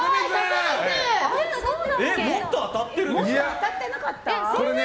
もっと当たってるでしょ。